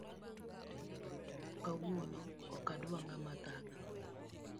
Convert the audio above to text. Kawuono ok adwa ngama thaga